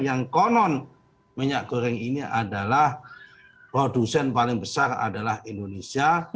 yang konon minyak goreng ini adalah produsen paling besar adalah indonesia